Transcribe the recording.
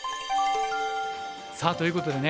さあということでね